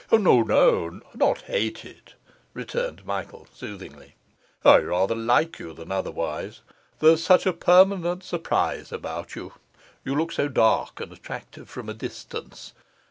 'No, no not hated,' returned Michael soothingly. 'I rather like you than otherwise; there's such a permanent surprise about you, you look so dark and attractive from a distance.